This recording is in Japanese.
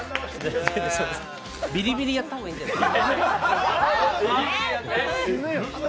ビリビリやった方がいいんじゃない？